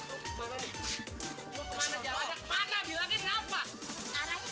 ini bulu biang kerok